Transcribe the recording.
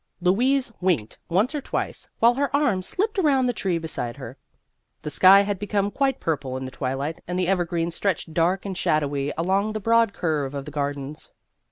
Louise winked once or twice while her arm slipped around the tree beside her. The sky had become quite purple in the twilight and the evergreens stretched dark and shadowy along the broad curve of the gardens.